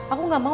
aku gak mau